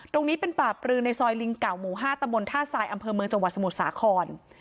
ตรงนี้เป็นป่าปลือในซอยลิงเก่าหมู่๕ตะบนท่าทรายอำเภอเมืองจังหวัดสมุทรสาคร